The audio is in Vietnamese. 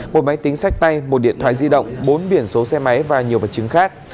một máy tính sách tay một điện thoại di động bốn biển số xe máy và nhiều vật chứng khác